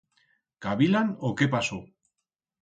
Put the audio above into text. Cavilan o qué pasó?